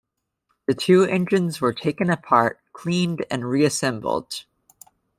The two engines were taken apart, cleaned and reassembled.